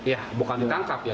ya bukan ditangkap ya